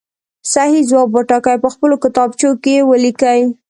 صحیح ځواب وټاکئ او په خپلو کتابچو کې یې ولیکئ.